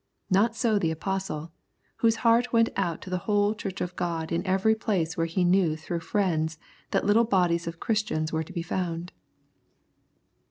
Not so the Apostle, whose heart went out to the whole Church of God in every place where he knew through friends that little bodies of Christians were to be found.